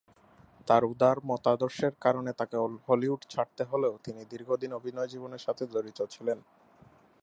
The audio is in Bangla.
তার উদার মতাদর্শের কারণে তাকে হলিউড ছাড়তে হলেও তিনি দীর্ঘদিন অভিনয়ের সাথে জড়িত ছিলেন।